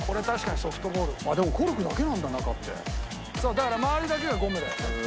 だから周りだけがゴムだよね」